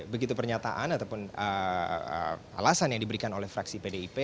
begitu pernyataan ataupun alasan yang diberikan oleh fraksi pdip